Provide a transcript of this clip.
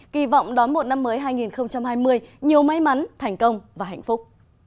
kỳ vọng đón một năm mới hai nghìn hai mươi nhiều may mắn thành công và hạnh phúc